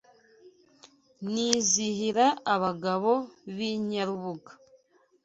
Nizihira abagabo b’I Nyarubuga